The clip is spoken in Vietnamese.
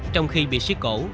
trong khi bị siết cổ